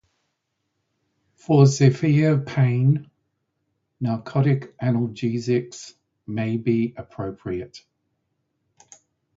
For severe pain, narcotic analgesics may be appropriate.